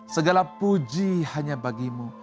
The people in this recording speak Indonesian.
segala puji hanya bagimu